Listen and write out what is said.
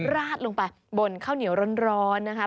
ราดลงไปบนข้าวเหนียวร้อนนะคะ